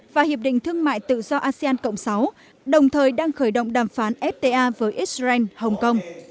và hiệp định thương mại tự do asean cộng sáu đồng thời đang khởi động đàm phán fta với israel hồng kông